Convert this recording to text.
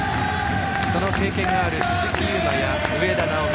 その経験がある鈴木優磨植田直通